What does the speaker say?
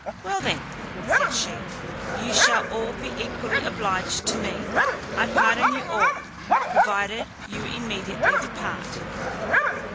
"Well then," said she, "you shall all be equally obliged to me; I pardon you all, provided you immediately depart."